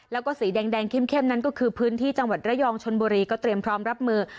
แล้วก็สีแดงเข้มนั้นก็คือพื้นที่จังหวัดระยองชนบุรีก็เตรียมพร้อมรับมือ